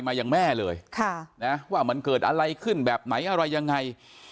มายังแม่เลยว่ามันเกิดอะไรขึ้นแบบไหนอะไรยังไง